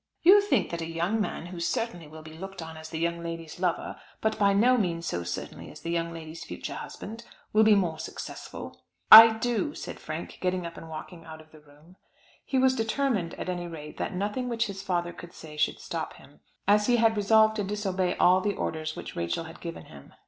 "You think that a young man, who certainly will be looked on as the young lady's lover, but by no means so certainly as the young lady's future husband, will be more successful?" "I do," said Frank, getting up and walking out of the room. He was determined at any rate that nothing which his father could say should stop him, as he had resolved to disobey all the orders which Rachel had given him.